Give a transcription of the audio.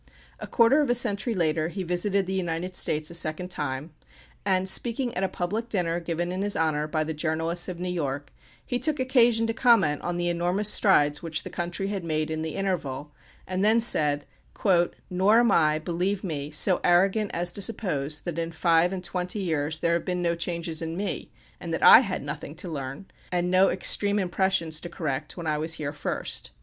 A quarter of a century later, he visited the United States a second time; and speaking at a public dinner given in his honour by the journalists of New York, he took occasion to comment on the enormous strides which the country had made in the interval, and then said, "Nor am I, believe me, so arrogant as to suppose that in five and twenty years there have been no changes in me, and that I had nothing to learn, and no extreme impressions to correct when I was here first."